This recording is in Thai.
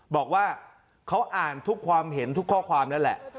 บอกว่าเขาอ่านทุกความเห็นทุกข้อความนั่นแหละ